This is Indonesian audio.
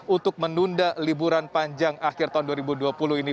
untuk menunda liburan panjang akhir tahun dua ribu dua puluh ini